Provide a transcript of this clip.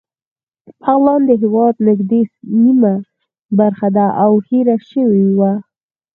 بغلان د هېواد نږدې نیمه برخه ده او هېره شوې وه